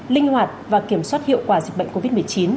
linh hoạt và kiểm soát hiệu quả dịch bệnh covid một mươi chín